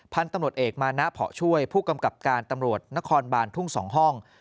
พันธุ์ตำรวจเอกมานะเพาะช่วยผู้กำกับการตำรวจนครบานทุ่ง๒ห้อง